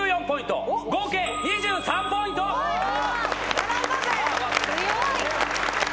並んだぜ。